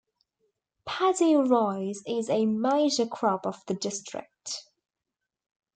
Paddy rice is a major crop of the district.